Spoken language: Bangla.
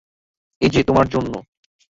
এই যে, তোমার জন্য।